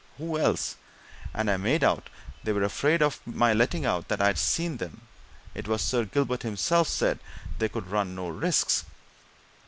"Who else? And I made out they were afraid of my letting out that I'd seen them it was Sir Gilbert himself said they could run no risks."